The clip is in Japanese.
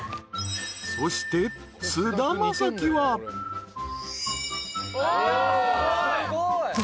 ［そして菅田将暉は］ほら。